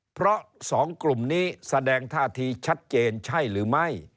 เพราะสองกลุ่มนี้แสดงท่าทีชัดเจนใช่หรือไม่